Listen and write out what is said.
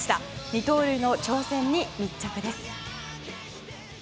二刀流の挑戦に密着です。